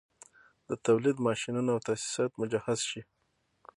د تولید ماشینونه او تاسیسات مجهز شي